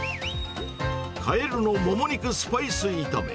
かえるのもも肉スパイス炒め。